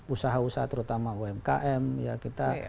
usaha usaha terutama umkm ya kita